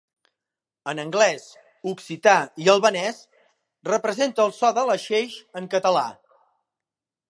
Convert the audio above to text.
En anglès, occità i albanès, representa el so de la xeix en català.